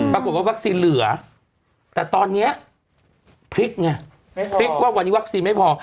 ปรากฏว่าวัคซีนเหลือแต่ตอนนี้พลิกไงพลิกว่าวันนี้วัคซีนไม่พอ